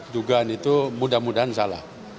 dugaan itu mudah mudahan salah